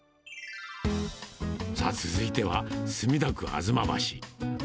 続いては、墨田区吾妻橋。